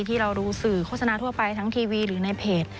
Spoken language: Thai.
ที่เราดูสื่อโฆษณาทั่วไปทั้งทีวีหรือในเพจ